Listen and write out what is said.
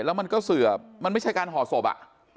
แล้วมันก็เสือบมันไม่ใช่การห่อศพอ่ะ